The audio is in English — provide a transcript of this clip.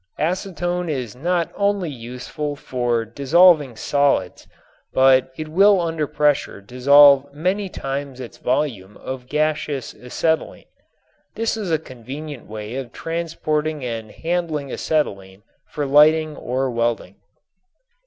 Acetone is not only useful for dissolving solids but it will under pressure dissolve many times its volume of gaseous acetylene. This is a convenient way of transporting and handling acetylene for lighting or welding.